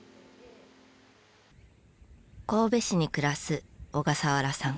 神戸市に暮らす小笠原さん。